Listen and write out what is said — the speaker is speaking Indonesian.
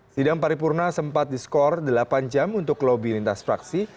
sidang paripurna sempat diskor delapan jam untuk lobby lintas fraksi